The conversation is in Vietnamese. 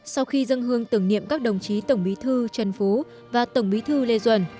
sau khi dân hương tưởng niệm các đồng chí tổng bí thư trần phú và tổng bí thư lê duẩn